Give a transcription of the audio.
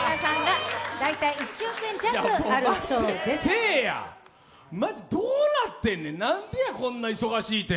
せいや、マジどうなってんねん、何でこんな忙しいて。